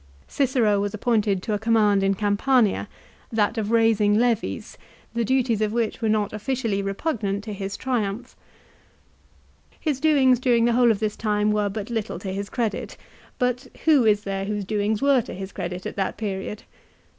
Cicero was appointed to a command in Campania, that of raising levies, the duties of which were not officially repugnant to his Triumph. His doings during the whole of this time were but little to his credit ; but who is there whose doings were to his credit at that period